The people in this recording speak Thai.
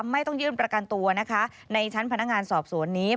ไม่ต้องยื่นประกันตัวนะคะในชั้นพนักงานสอบสวนนี้